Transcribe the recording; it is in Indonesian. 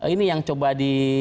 ini yang coba di